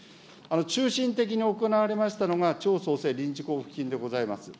中心的に行われましたのが地方創生臨時交付金であります。